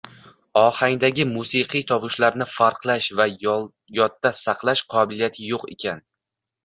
Ohangdagi musiqiy tovushlarni farqlash va yodda saqlash qobiliyati yo‘q ekan.